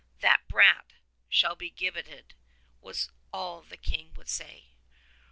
"The brat shall be gibbeted!" was all the King would say.